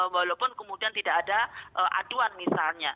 walaupun kemudian tidak ada aduan misalnya